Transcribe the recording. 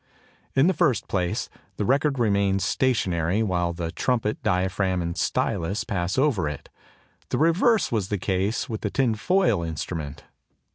In the first place, the record remains stationary while the trumpet, diaphragm and stylus pass over it. The reverse was the case with the tinfoil instrument.